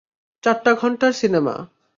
চার ঘন্টার সিনেমা।